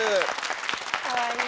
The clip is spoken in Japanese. かわいい。